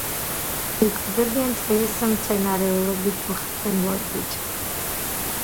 იკვებებიან წყლის მცენარეულობით, უხერხემლოებით.